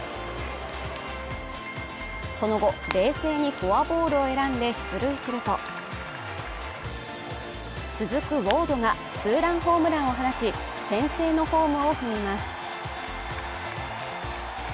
その後、冷静にフォアボールを選んで出塁すると、続くウォードがツーランホームランを放ち先制のホームを踏みます。